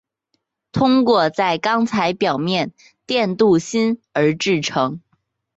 通过在钢材表面电镀锌而制成。